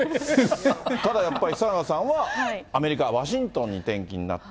ただやっぱり、久永さんはアメリカ・ワシントンに転勤になって。